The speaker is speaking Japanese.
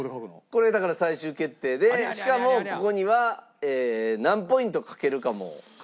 これだから最終決定でしかもここには何ポイントかけるかも書いて頂きますんで。